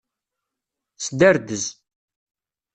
Sderdez.